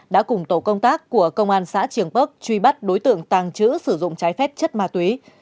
đã cùng tổ công tác của công an xã trường park truy bắt đối tượng tàng trữ sử dụng trái phép chất ma túy